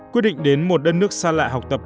quyết định đến một đất nước xa lạ học tập